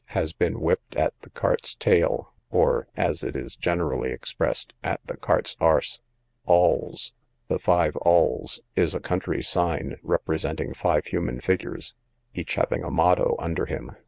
has been whipped at the cart's tail; or, as it is generally expressed, at the cart's arse. Alls, the Five Alls is a country sign, representing five human figures, each having a motto under him.